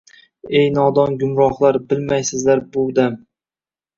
— Ey, nodon gumrohlar, bilmaysiz bu dam